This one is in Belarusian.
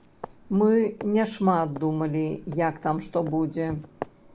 Мы не шмат думалі, як там што будзе.